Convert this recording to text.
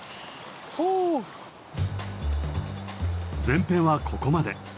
前編はここまで。